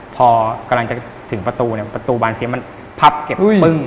พอกำลังจะถึงประตูเนี่ยประตูบานเสียงมันพับเก็บปึ้ง